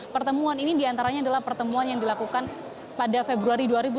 pertemuan ini diantaranya adalah pertemuan yang dilakukan pada februari dua ribu tujuh belas